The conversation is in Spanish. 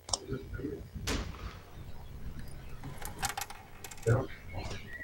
Esto puede evitarse mediante el uso de lentes progresivas.